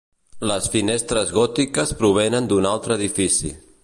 Les finestres gòtiques provenen d'un altre edifici.